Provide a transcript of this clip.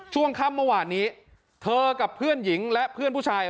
ช่วงค่ำเมื่อวานนี้เธอกับเพื่อนหญิงและเพื่อนผู้ชาย